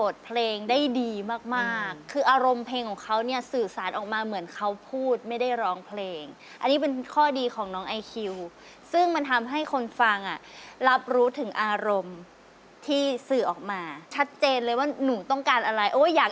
สลิดเหมือนดีสลิดแต่สลิดว่า